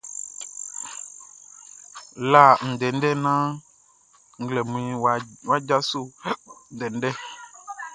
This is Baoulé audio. La ndɛndɛ naan nglɛmunʼn wʼa djaso ndɛndɛ.